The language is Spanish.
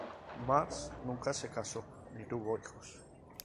Marsh nunca se casó ni tuvo hijos.